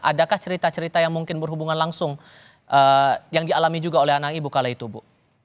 adakah cerita cerita yang mungkin berhubungan langsung yang dialami juga oleh anak ibu kala itu ibu